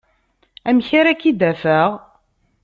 Amek ara k-id-afeɣ?